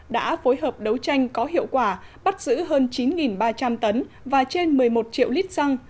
đã phối hợp đấu tranh có hiệu quả bắt giữ hơn chín ba trăm linh tấn và trên một mươi một triệu lít xăng